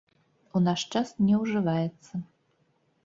У наш час не ўжываецца.